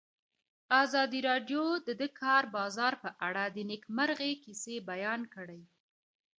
ازادي راډیو د د کار بازار په اړه د نېکمرغۍ کیسې بیان کړې.